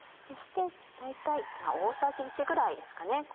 そして大体大さじ１ぐらいですかね